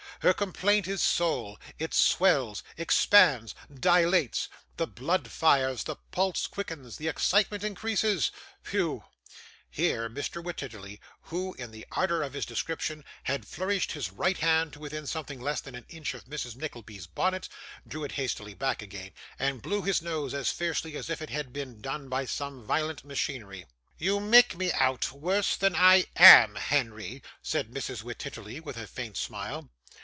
Her complaint is soul. It swells, expands, dilates the blood fires, the pulse quickens, the excitement increases Whew!"' Here Mr. Wititterly, who, in the ardour of his description, had flourished his right hand to within something less than an inch of Mrs. Nickleby's bonnet, drew it hastily back again, and blew his nose as fiercely as if it had been done by some violent machinery. 'You make me out worse than I am, Henry,' said Mrs. Wititterly, with a faint smile.